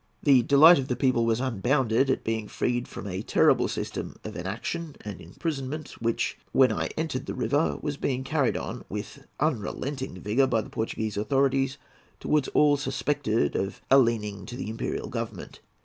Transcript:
The delight of the people was unbounded at being freed from a terrible system of exaction and imprisonment which, when I entered the river, was being carried on with unrelenting rigour by the Portuguese authorities towards all suspected of a leaning to the Imperial Government.